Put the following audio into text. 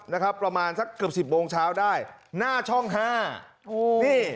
นะครับประมาณสักเกือบสิบโมงเช้าได้หน้าช่องห้าโอ้นี่